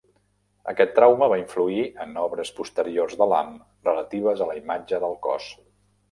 Aquest trauma va influir en obres posteriors de Lamm relatives a la imatge del cos.